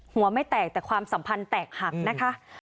หัวไม่แตกแต่ความสัมพันธ์แตกหักนะคะ